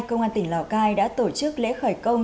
công an tỉnh lào cai đã tổ chức lễ khởi công